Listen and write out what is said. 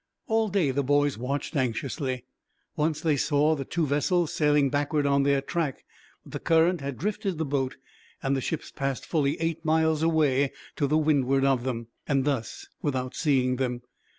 All day the boys watched anxiously. Once they saw the two vessels sailing backward on their track, but the current had drifted the boat, and the ships passed fully eight miles away to windward of them, and thus without seeing them.